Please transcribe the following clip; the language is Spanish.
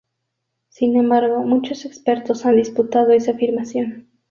Sin embargo, muchos expertos han disputado esa afirmación.